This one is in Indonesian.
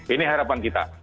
ini harapan kita